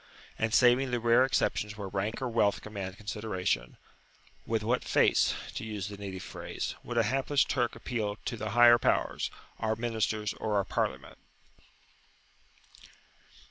And, saving the rare exceptions where rank or wealth command consideration, with what face, to use the native phrase, would a hapless Turk appeal to the higher powers, our ministers or our Parliament?